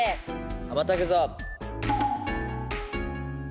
羽ばたくぞ。